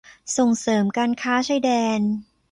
ส่งเสริมการค้าชายแดน